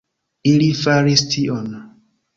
Ili faris tion!